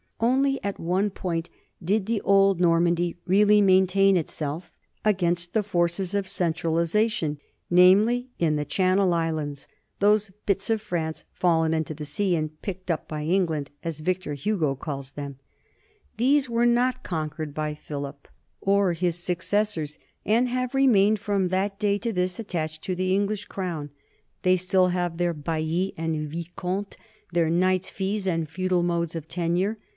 Only at one point did the old Normandy really main tain itself against the forces of centralization, namely in the Channel Islands, those "bits of France fallen into the sea and picked up by England," as Victor Hugo calls them. These were not conquered by Philip NORMANDY AND FRANCE 145 or his successors, and have remained from that day to this attached to the English crown. They still have their baillis and vicomtes, their knights' fees and feudal modes of tenure.